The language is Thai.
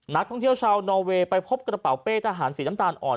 นักท่องเที่ยวชาวนอเวย์ไปพบกระเป๋าเป้ทหารสีน้ำตาลอ่อน